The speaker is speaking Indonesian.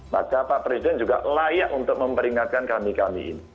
maka pak presiden juga layak untuk memperingatkan kami kami ini